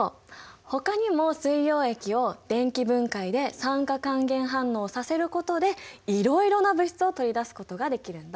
ほかにも水溶液を電気分解で酸化還元反応させることでいろいろな物質を取り出すことができるんだ。